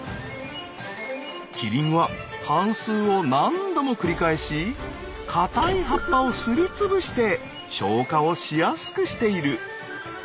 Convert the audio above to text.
キリンは反すうを何度も繰り返し硬い葉っぱをすりつぶして消化をしやすくしている。